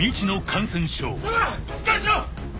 「しっかりしろ！」